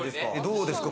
どうですか？